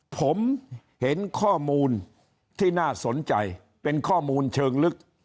ผมเห็นข้อมูลที่น่าสนใจเป็นข้อมูลเชิงลึก